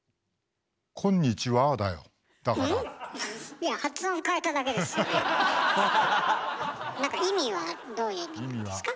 いや意味はどういう意味なんですか？